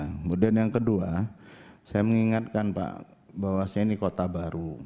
kemudian yang kedua saya mengingatkan pak bahwa saya ini kota baru